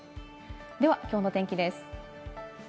では、きょうの天気です。